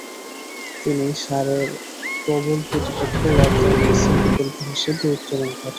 তিনি সারের প্রবল প্রতিপক্ষ ওয়াল্টার লিসের বিকল্প হিসেবে উত্তরণ ঘটান।